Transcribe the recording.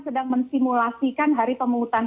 sedang mensimulasikan hari pemungutan